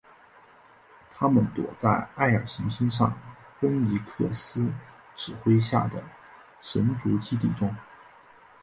他们躲藏在艾尔行星上芬尼克斯指挥下的神族基地中。